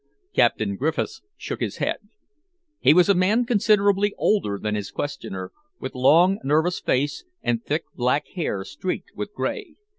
Captain Griffiths shook his head. He was a man considerably older than his questioner, with long, nervous face, and thick black hair streaked with grey.